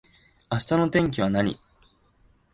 明日の天気は何